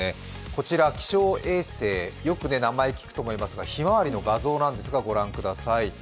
こちら、気象衛星よく名前を聞くと思いますが「ひまわり」の画像なんですが、ご覧ください。